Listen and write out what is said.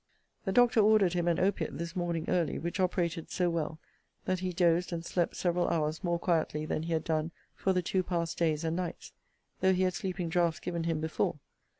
The doctor ordered him an opiate this morning early, which operated so well, that he dosed and slept several hours more quietly than he had done for the two past days and nights, though he had sleeping draughts given him before.